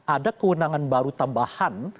ada kewenangan baru tambahan